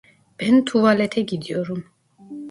Ben tuvalete gidiyorum.